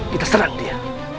kita serang dia